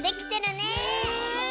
ねえ！